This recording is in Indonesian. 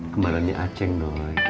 kembarannya aceng doi